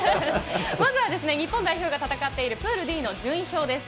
まずはですね、日本代表が戦っているプールＤの順位表です。